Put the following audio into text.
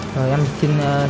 rồi em xin về